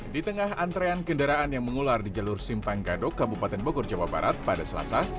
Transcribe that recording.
di tengah antrean kendaraan yang mengular di jalur simpang gadok kabupaten bogor jawa barat pada selasa